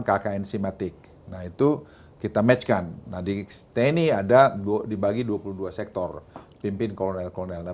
kkn simatik nah itu kita match kan nah di tni ada dibagi dua puluh dua sektor pimpin kolonel kolonel